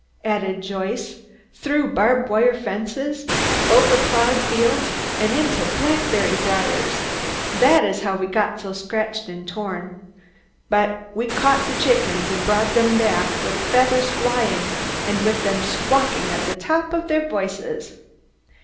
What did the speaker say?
added Joyce. "Through barb wire fences, over ploughed fields and into blackberry briers. That is how we got so scratched and torn. But we caught the chickens, and brought them back, with feathers flying, and with them squawking at the tops of their voices."